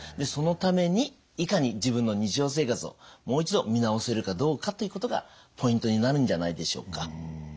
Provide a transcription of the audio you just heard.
そのためにいかに自分の日常生活をもう一度見直せるかどうかということがポイントになるんじゃないでしょうか。